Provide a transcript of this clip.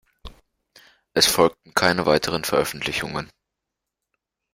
Es folgten keine weiteren Veröffentlichungen.